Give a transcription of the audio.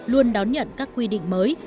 luôn đón nhận các quy định mới